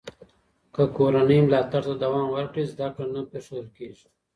که کورنۍ ملاتړ ته دوام ورکړي، زده کړه نه پرېښودل کېږي.